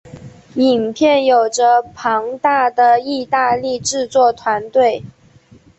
影片有着庞大的意大利制作团队。